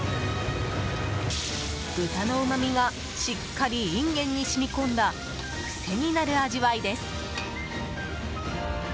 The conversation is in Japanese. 豚のうまみがしっかりインゲンに染み込んだ癖になる味わいです。